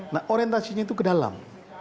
nah orientasinya itu ke dalam